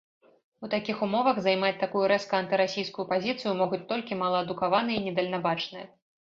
У такіх умовах займаць такую рэзка антырасійскую пазіцыю могуць толькі малаадукаваныя і недальнабачныя.